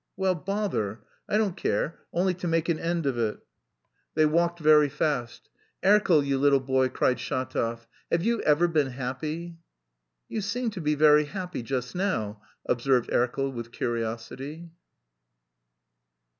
"Well... bother! I don't care, only to make an end of it." They walked very fast. "Erkel, you little boy," cried Shatov, "have you ever been happy?" "You seem to be very happy just now," observed Erkel with curiosity.